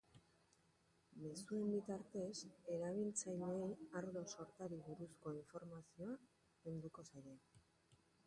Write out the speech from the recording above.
Mezuen bitartez, erabiltzaileei ardo sortari buruzko informazioa helduko zaie.